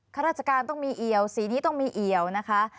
ข้าราชการต้องมีเอี่ยวสีนี้ต้องมีเอี่ยวนะคะ